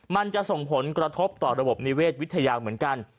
มันจะส่งผลกระทบต่อระบบนิเวศวิทยาเหมือนกัน